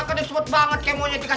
gue like banget dah